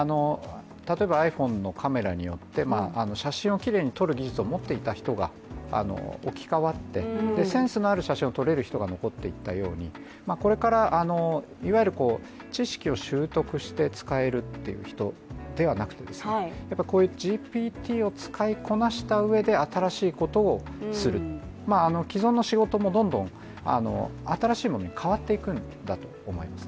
例えばｉＰｈｏｎｅのカメラによって、写真をきれいに撮る技術を持っていた人が置き換わって、センスのある写真を撮れる人が残っていったように、これからいわゆる知識を習得して使えるっていう人ではなくて、こういうＧＰＴを使いこなしたうえで新しいことをする既存の仕事もどんどん新しいものに変わっていくんだと思います。